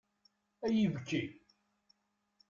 Ay ibekki!